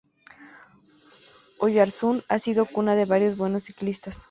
Oyarzun ha sido cuna de varios buenos ciclistas.